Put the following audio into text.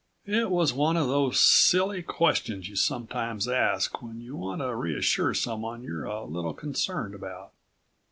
It was one of those silly questions you sometimes ask when you want to reassure someone you're a little concerned about.